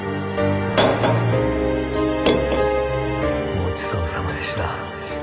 ごちそうさまでした。